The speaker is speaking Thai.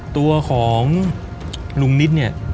ตัวของลุงนิดเนี่ย